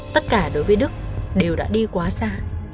tất cả đối với đức đều đã đi quá xa